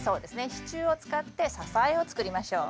支柱を使って支えを作りましょう。